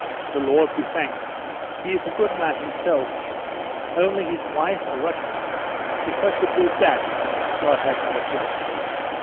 The Lord be thanked, he is a good man himself; only his wife, a Russian, is such a brute that God have mercy on us.